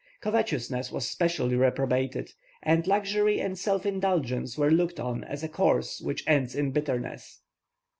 Covetousness was specially reprobated, and luxury and self indulgence were looked on as a course which ends in bitterness.